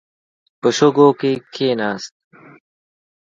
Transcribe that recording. په شګو کې کښیناست.